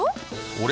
あれ？